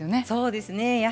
そうですね。